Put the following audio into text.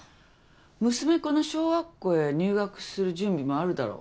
娘っ子の小学校へ入学する準備もあるだろ。